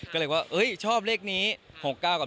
ก็เลยว่าเอ๊ยชอบเลขนี้๖๙กับ๑๓